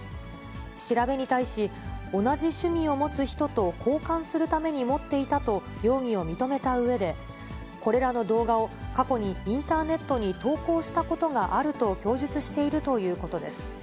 調べに対し、同じ趣味を持つ人と交換するために持っていたと、容疑を認めたうえで、これらの動画を過去にインターネットに投稿したことがあると供述しているということです。